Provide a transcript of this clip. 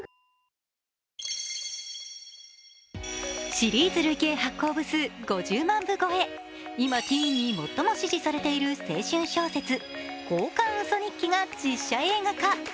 シリーズ累計発行部数５０万部超え、今ティーンに最も支持されている青春小説、「交換ウソ日記」が実写映画化。